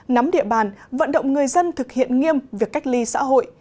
nắm địa bàn vận động người dân thực hiện nghiêm việc cách ly xã hội